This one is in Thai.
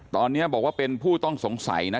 ตอนนี้บอกว่าเป็นผู้ต้องสงสัยนะ